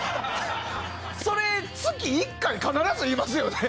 それ、月１回必ず言いますよね？